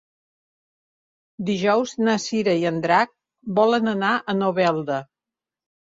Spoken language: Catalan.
Dijous na Cira i en Drac volen anar a Novelda.